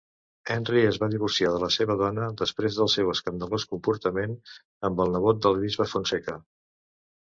Henry es va divorciar de la seva dona després del seu escandalós comportament amb el nebot del bisbe Fonseca.